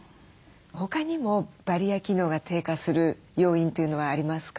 他にもバリア機能が低下する要因というのはありますか？